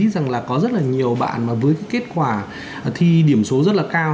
rằng là có rất là nhiều bạn mà với kết quả thi điểm số rất là cao